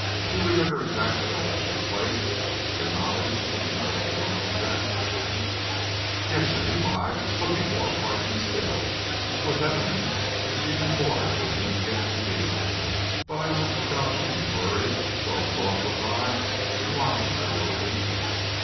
Do you remember exactly all that took place, to your knowledge, on the night of your uncle's death?" "Yes," she replied, looking more frightened still. It was evident that she knew more than she had yet revealed, but I almost forgot my inquiry, so absorbed was I in watching her lovely face.